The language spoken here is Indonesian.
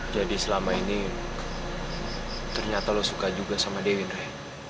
jadi selama ini ternyata lo suka juga sama dewi ndre